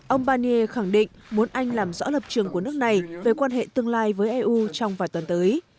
ông banier khẳng định muốn anh làm rõ lập trường của nước này về quan hệ tương lai với eu trong vài tuần tới